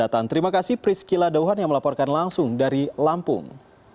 terima kasih prisky ladauhan yang melaporkan langsung dari lampung